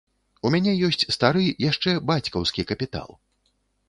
У мяне ёсць стары, яшчэ бацькаўскі, капітал.